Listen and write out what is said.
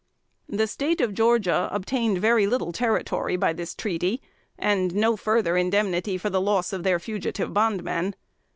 The State of Georgia obtained very little territory by this treaty, and no further indemnity for the loss of their fugitive bondmen.